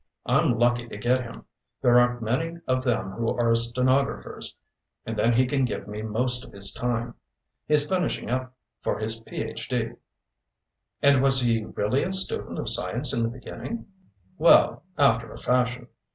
I'm lucky to get him. There aren't many of them who are stenographers, and then he can give me most of his time. He's finishing up for his Ph.D." "And was he really a student of science in the beginning?" "Well, after a fashion.